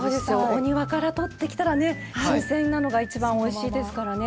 お庭から取れたら新鮮なのが一番おいしいですからね。